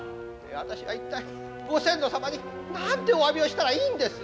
私は一体ご先祖様に何ておわびをしたらいいんです。